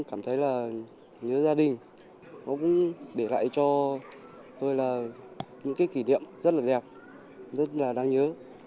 cảm thấy là nhớ gia đình cũng để lại cho tôi là những cái kỷ niệm rất là đẹp rất là đáng nhớ